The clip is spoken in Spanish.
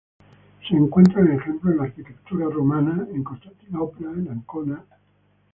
Se encuentran ejemplos en la arquitectura romana, en Constantinopla, Ancona...